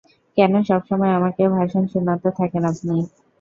কেন সবসময় আমাকে ভাষণ শুনাতে থাকেন আপনি?